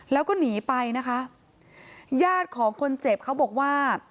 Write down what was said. แล้วก็หนีไปนะคะญาติของคนเจ็บเขาบอกว่า